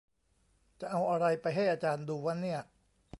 จะเอาอะไรไปให้อาจารย์ดูวะเนี่ย